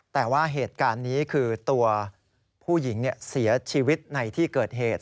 แต่ว่าเหตุการณ์นี้คือตัวผู้หญิงเสียชีวิตในที่เกิดเหตุ